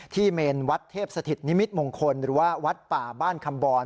เมนวัดเทพสถิตนิมิตมงคลหรือว่าวัดป่าบ้านคำบร